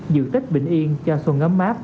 giữ tết bình yên cho xuân ngắm mát